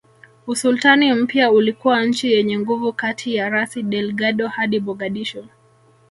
Usultani mpya ulikuwa nchi yenye nguvu kati ya Rasi Delgado hadi Mogadishu